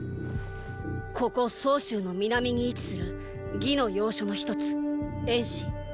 ここ曹州の南に位置する魏の要所の一つ衍氏。